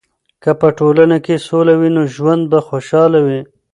که په ټولنه کې سوله وي، نو ژوند به خوشحاله وي.